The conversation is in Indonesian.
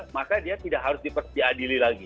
maka dia tidak harus diadili lagi